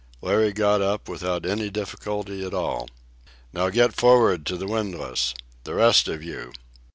Larry got up without any difficulty at all. "Now get for'ard to the windlass! The rest of you!"